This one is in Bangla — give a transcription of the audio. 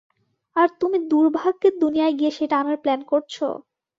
আর তুমি দূর্ভাগ্যের দুনিয়ায় গিয়ে সেটা আনার প্ল্যান করছো?